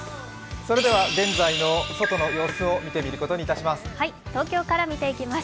それでは現在の外の様子を見てみることにいたします。